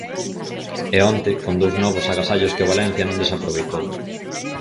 E onte, con dous novos agasallos que o Valencia non desaproveitou.